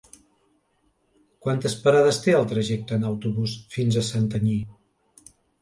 Quantes parades té el trajecte en autobús fins a Santanyí?